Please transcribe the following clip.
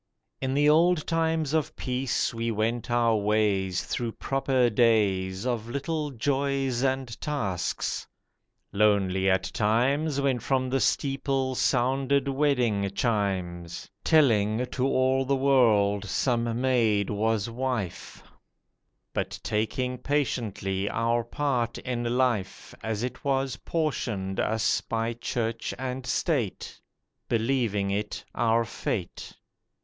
IN the old times of peace we went our ways, Through proper days Of little joys and tasks. Lonely at times, When from the steeple sounded wedding chimes, Telling to all the world some maid was wife— But taking patiently our part in life As it was portioned us by Church and State, Believing it our fate.